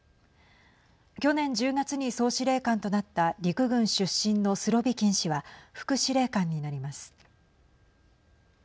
去年１０月に総司令官となった陸軍出身のスロビキン氏は副司令官になります。